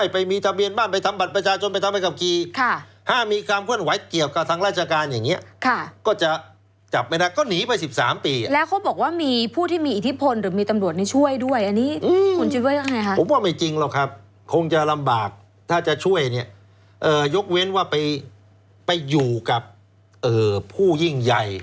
ใส่ว่าไม่ได้มีทะเบียนบ้านไปทำบัตรประชาชนไปทำอะไรกับกี